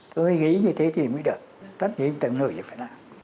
cứ nghĩ như thế thì mới được tất nhiên tận người phải làm